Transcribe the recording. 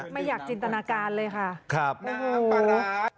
ไม่อยากจินตนาการเลยค่ะครับน้ำปลาร้าย